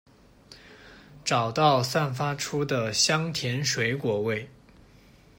找到散发出的香甜水果味！